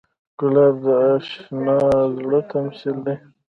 ګلاب د اشنا زړه تمثیل دی.